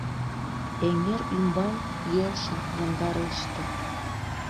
Эҥер ӱмбал йӧршын яндареште.